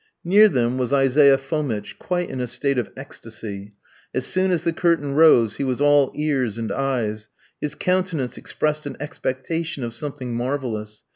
Near them was Isaiah Fomitch, quite in a state of ecstasy. As soon as the curtain rose he was all ears and eyes; his countenance expressed an expectation of something marvellous.